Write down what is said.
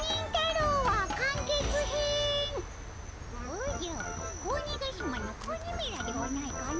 おじゃっ子鬼ヶ島の子鬼めらではないかの？